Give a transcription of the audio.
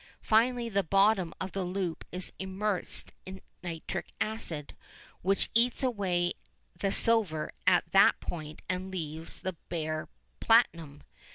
Finally the bottom of the loop is immersed in nitric acid, which eats away the silver at that point and leaves the bare platinum.